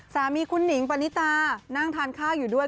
สามีคุณหนิงปณิตานั่งทานข้าวอยู่ด้วย